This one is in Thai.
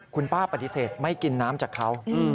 คุณป้าปฏิเสธไม่กินน้ำจากเขา